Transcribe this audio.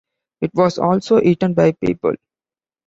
It was also eaten by people.